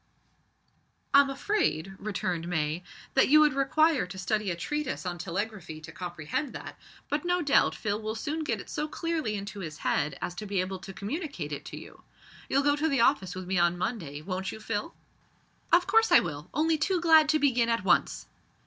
"I'm afraid," returned May, "that you would require to study a treatise on Telegraphy to comprehend that, but no doubt Phil will soon get it so clearly into his head as to be able to communicate it to you. You'll go to the office with me on Monday, won't you, Phil?" "Of course I will only too glad to begin at once."